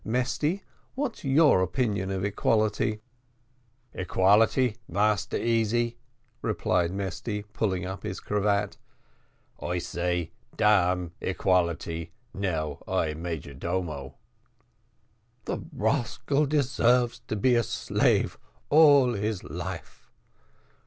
Mesty, what's your opinion of equality?" "Equality, Massa Easy?" replied Mesty, pulling up his cravat; "I say damn equality, now I major domo." "The rascal deserves to be a slave all his life."